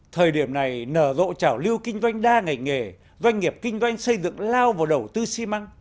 thời điểm này nở rộ trào lưu kinh doanh đa ngành nghề doanh nghiệp kinh doanh xây dựng lao vào đầu tư xi măng